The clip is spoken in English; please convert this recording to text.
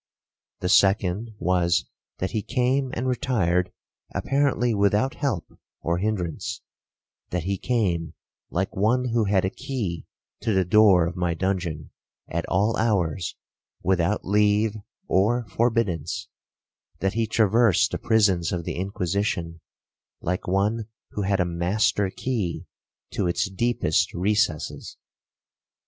The second was, that he came and retired apparently without help or hindrance,—that he came, like one who had a key to the door of my dungeon, at all hours, without leave or forbiddance,—that he traversed the prisons of the Inquisition, like one who had a master key to its deepest recesses.